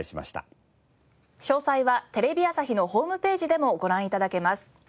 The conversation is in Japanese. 詳細はテレビ朝日のホームページでもご覧頂けます。